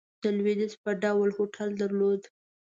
د لوېدیځ په ډول هوټل درلود.